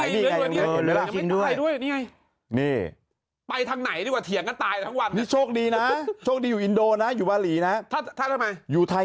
เนี่ยงูสองหัวไม่รู้งูอะไรนะเนี่ย